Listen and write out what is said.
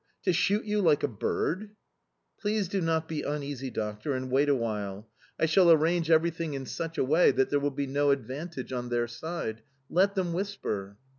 To shoot you like a bird"... "Please do not be uneasy, doctor, and wait awhile... I shall arrange everything in such a way that there will be no advantage on their side. Let them whisper"...